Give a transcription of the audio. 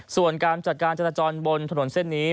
ส่วนการจัดการจราจรบนถนนเส้นนี้